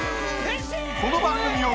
この番組を